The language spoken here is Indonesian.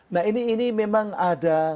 nah ini memang ada